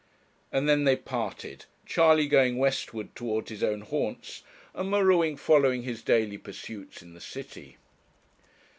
And then they parted, Charley going westward towards his own haunts, and M'Ruen following his daily pursuits in the city.